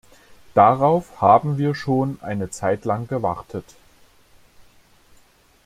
Darauf haben wir schon eine Zeitlang gewartet.